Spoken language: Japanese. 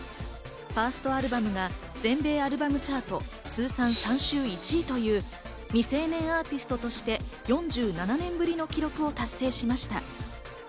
ファーストアルバムが全米アルバムチャート通算３週１位という未成年アーティストとして４７年ぶりの記録を達成しました。